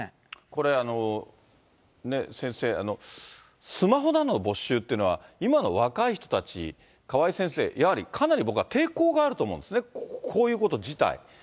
これ、先生、スマホなどの没収というのは、今の若い人たち、川井先生、やはりかなり僕は抵抗があると思うんですね、こういうこと自体。